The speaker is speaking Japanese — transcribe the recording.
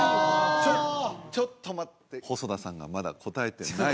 ちょっと待って細田さんがまだ答えてない